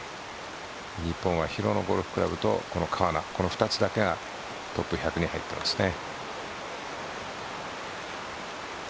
日本は廣野ゴルフクラブと川奈の２つだけがトップ１００に入っていますね。